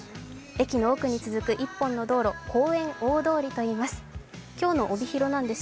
駅の奥に続く１本の道路、公園大通りといいます。